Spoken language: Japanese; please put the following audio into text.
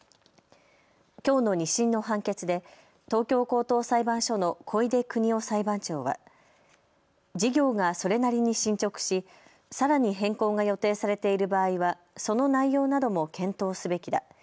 きょうの２審の判決で東京高等裁判所の小出邦夫裁判長は事業がそれなりに進捗し、さらに変更が予定されている場合はその内容なども検討すべきだ。